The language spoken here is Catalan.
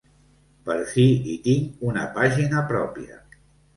Per fi hi tinc una pàgina pròpia.